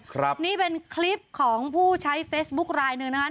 ครับนี่เป็นคลิปของผู้ใช้เฟซบุ๊คลายหนึ่งนะคะ